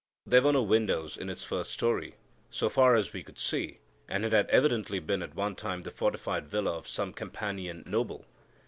There were no windows in its first story, so far as we could see, and it had evidently been at one time the fortified villa of some Campanian noble.